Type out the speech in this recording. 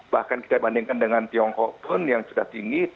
bahkan kita bandingkan dengan tiongkok pun yang sudah tinggi